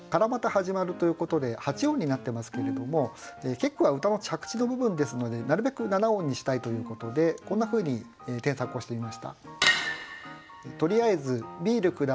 始まる」ということで８音になってますけれども結句は歌の着地の部分ですのでなるべく７音にしたいということでこんなふうに添削をしてみました。